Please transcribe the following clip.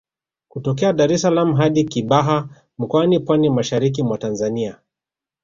Kutokea Dar es salaam hadi Kibaha Mkoani Pwani mashariki mwa Tanzania